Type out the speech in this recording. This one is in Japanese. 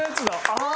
ああ！